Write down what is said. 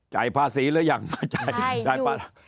จ่ายภาษีหรือยังมาจ่ายภาษี